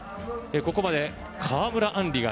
ここまで川村あん